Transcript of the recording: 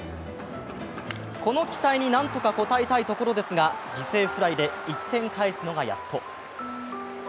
この期待になんとか応えたいところですが犠牲フライで１点返すのがやっと。